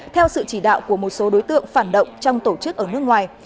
theo sự chỉ đạo của một số đối tượng phản động trong tổ chức ở nước ngoài